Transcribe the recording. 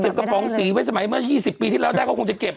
เอามีกระป๋องสีไว้สมัยเมื่อ๒๐ปีที่แล้วได้เขาคงจะเก็บอ่ะ